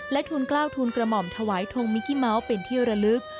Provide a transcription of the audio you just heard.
ทูลกล้าวทูลกระหม่อมถวายทงมิกกี้เมาส์เป็นที่ระลึก